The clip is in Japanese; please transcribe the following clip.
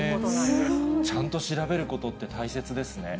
すごい。ちゃんと調べることって大切ですね。